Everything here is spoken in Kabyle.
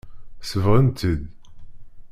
Sebɣen-tt-id.